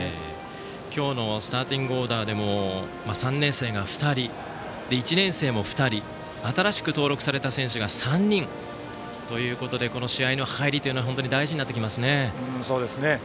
今日のスターティングオーダーでも３年生が２人、１年生も２人新しく登録された選手が３人ということでこの試合の入りが大事になってきますね。